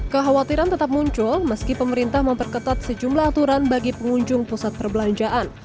kekhawatiran tetap muncul meski pemerintah memperketat sejumlah aturan bagi pengunjung pusat perbelanjaan